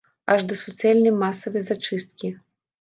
Аж да суцэльнай масавай зачысткі.